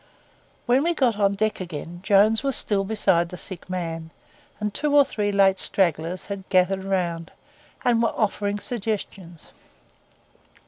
When we got on deck again, Jones was still beside the sick man; and two or three late stragglers had gathered round, and were offering suggestions.